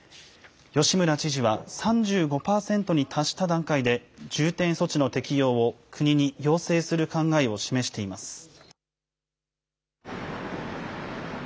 吉村知事は３５％に達した段階で、重点措置の適用を国に要請する考えを示しています。